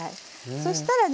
そしたらね